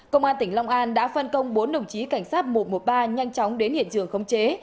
công an tỉnh long an đã phân công bốn đồng chí cảnh sát một trăm một mươi ba nhanh chóng đến hiện trường khống chế